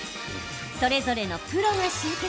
それぞれのプロが集結。